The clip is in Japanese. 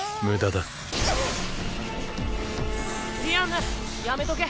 ディアンヌやめとけ。